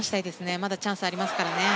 まだチャンスがありますからね。